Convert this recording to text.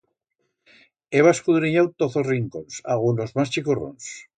Heba escudrinyau toz os rincons, agún os mas chicorrons.